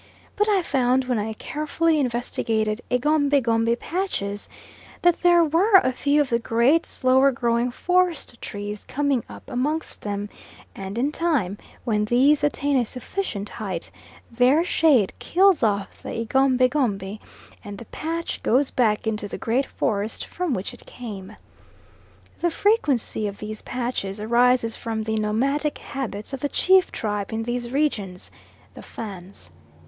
But I found when I carefully investigated egombie gombie patches that there were a few of the great, slower growing forest trees coming up amongst them, and in time when these attain a sufficient height, their shade kills off the egombie gombie, and the patch goes back into the great forest from which it came. The frequency of these patches arises from the nomadic habits of the chief tribe in these regions, the Fans.